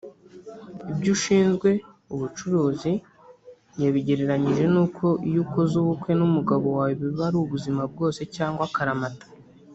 Ibyo ushinzwe ubucuruzi yabigereranyije n’uko iyo ukoze ubukwe n’umugabo wawe biba ari ubuzima bwose cyangwa akaramata